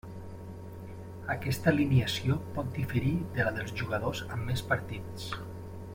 Aquesta alineació pot diferir de la dels jugadors amb més partits.